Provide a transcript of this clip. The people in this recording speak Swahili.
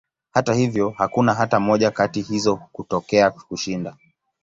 Hata hivyo, hakuna hata moja katika hizo kutokea kushinda.